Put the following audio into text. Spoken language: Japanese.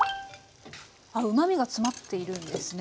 うまみが詰まっているんですね